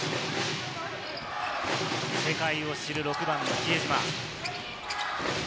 世界を知る６番の比江島。